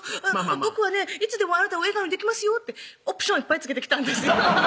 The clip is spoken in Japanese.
「僕はねいつでもあなたを笑顔にできますよ」ってオプションいっぱい付けてきたんですよ